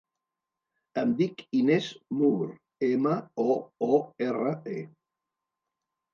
Em dic Inès Moore: ema, o, o, erra, e.